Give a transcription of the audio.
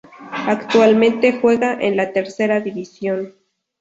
Actualmente juega en la Tercera División.